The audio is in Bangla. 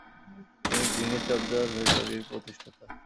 তিনি গ্রিনিচ অবজারভেটরির প্রতিষ্ঠাতা।